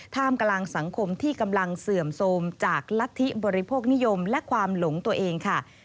ท่ามกลางสังคมที่กำลังเสื่อมโทรมจากรัฐธิบริโภคนิยมและความหลงตัวเองค่ะ